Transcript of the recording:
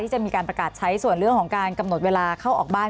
จะมีการประกาศใช้ส่วนเรื่องของการกำหนดเวลาเข้าออกบ้าน